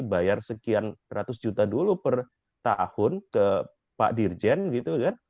bayar sekian ratus juta dulu per tahun ke pak dirjen gitu kan